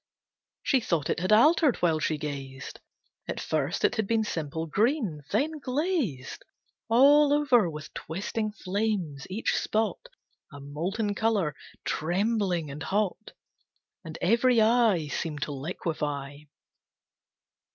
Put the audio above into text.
She thought it had altered while she gazed. At first it had been simple green; then glazed All over with twisting flames, each spot A molten colour, trembling and hot, And every eye Seemed to liquefy.